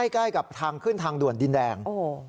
ใกล้กับทางขึ้นทางด่วนดินแดง